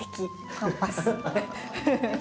パンパス。